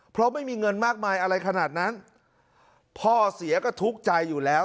เพราะไม่มีเงินมากมายอะไรขนาดนั้นพ่อเสียก็ทุกข์ใจอยู่แล้ว